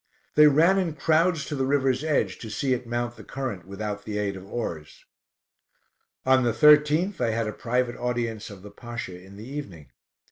They ran in, crowds to the river's edge to see it mount the current without the aid of oars. On the 13th, I had a private audience of the Pasha in the evening.